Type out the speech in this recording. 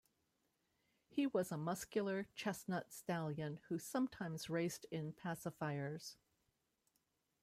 He was a muscular chestnut stallion who sometimes raced in pacifiers.